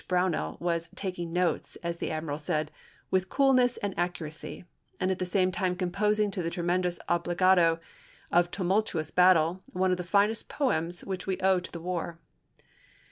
Brownell, was "taking notes," as the admiral said, " with coolness and ac curacy," and at the same time composing to the tremendous obligato of tumultuous battle one of the finest poems which we owe to the war.